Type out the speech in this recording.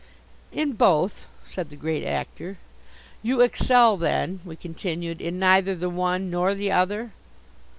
"In both," said the Great Actor. "You excel then," we continued, "in neither the one nor the other?"